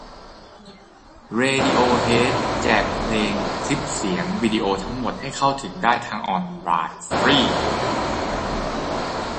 เรดิโอเฮด แจกเพลง คลิปเสียง วิดีโอทั้งหมด ให้เข้าถึงได้ทางออนไลน์ ฟรี